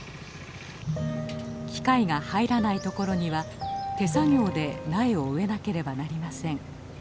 機械が入らない所には手作業で苗を植えなければなりません。